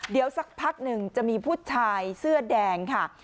เดี๋ยวสักพักหนึ่งจะมีผู้ชายเสื้อแดงค่ะ